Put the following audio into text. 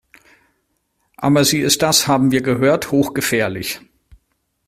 Aber sie ist das haben wir gehört hochgefährlich.